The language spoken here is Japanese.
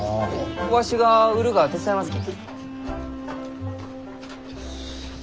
わしが売るが手伝いますき。